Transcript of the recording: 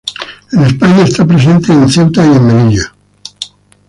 En España está presente en Ceuta y Melilla.